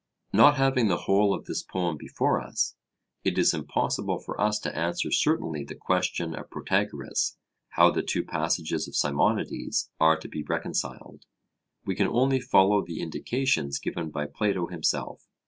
Not having the whole of this poem before us, it is impossible for us to answer certainly the question of Protagoras, how the two passages of Simonides are to be reconciled. We can only follow the indications given by Plato himself.